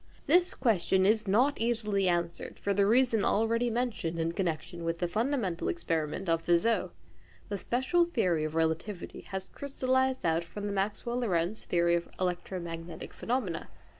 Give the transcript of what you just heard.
This question is not easily answered for the reason already mentioned in connection with the fundamental experiment of Fizeau. The special theory of relativity has crystallised out from the Maxwell Lorentz theory of electromagnetic phenomena.